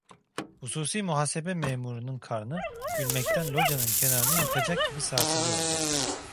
Hususi muhasebe memurunun karnı, gülmekten locanın kenarını yıkacak gibi sarsılıyordu…